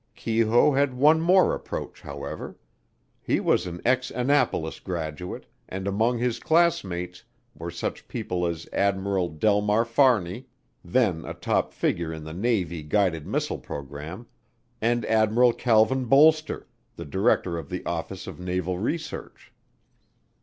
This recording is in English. Keyhoe had one more approach, however. He was an ex Annapolis graduate, and among his classmates were such people as Admiral Delmar Fahrney, then a top figure in the Navy guided missile program and Admiral Calvin Bolster, the Director of the Office of Naval Research.